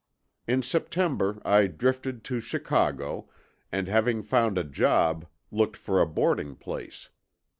In September I drifted to Chicago, and having found a job, looked for a boarding place.